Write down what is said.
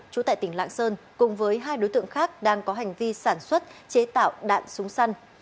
trú tại tỉnh lạng sơn cùng với hai đối tượng khác đang có hành vi sản xuất chế tạo đạn súng săn